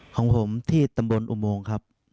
ของผมที่ตำบลอุโมงครับ